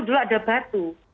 dulu ada batu